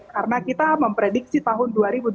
karena kita memprediksi tahun dua ribu dua puluh lima